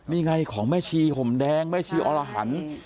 นี่ไงของแม่ชีห่มแดงแม่ชีอรหัน